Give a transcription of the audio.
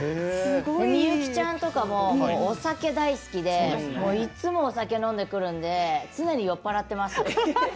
薄幸ちゃんとかもお酒大好きでいつもお酒飲んでくるんで常に酔っ払ってます。